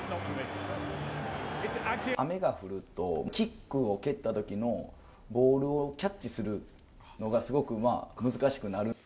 雨が降ると、キックを蹴ったときのボールをキャッチするのが、すごく難しくなる。